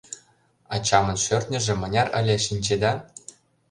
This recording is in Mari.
Ачамын шӧртньыжӧ мыняр ыле, шинчеда?